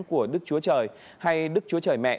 của đức chúa trời hay đức chúa trời mẹ